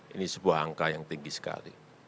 ini sebuah angka yang tinggi sekali